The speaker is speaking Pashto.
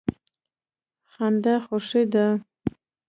خندا خوښي ده.